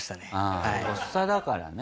とっさだからね。